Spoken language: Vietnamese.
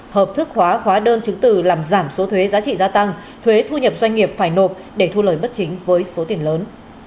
hợp thức hóa hóa đơn chứng từ làm giảm số thuế giá trị gia tăng thuế thu nhập doanh nghiệp phải nộp để thu lời bất chính với số tiền lớn